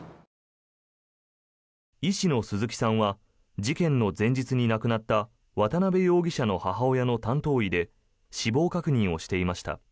医師の鈴木さんは事件の前日に亡くなった渡辺容疑者の母親の担当医で死亡確認をしていました。